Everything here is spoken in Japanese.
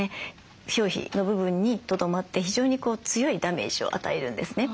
表皮の部分にとどまって非常に強いダメージを与えるんですね。